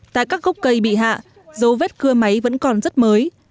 tại các gốc cây bị hạ dấu vết cưa máy vẫn còn rất mới